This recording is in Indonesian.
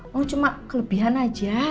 mau cuma kelebihan aja